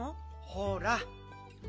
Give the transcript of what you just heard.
ほら。